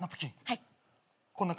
はい。